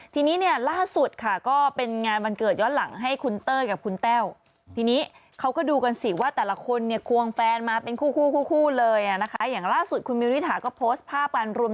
การใช้การเข้าใจอยู่ที่นี่เนี่ยแล้วสุดคระก็เป็นขวางแฟนมาเป็นคู่เลยนะคะเช่นพานรูป๒๗๑๕